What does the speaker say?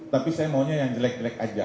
tapi saya maunya yang jelek jelek aja